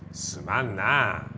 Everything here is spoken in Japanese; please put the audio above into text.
すまんな。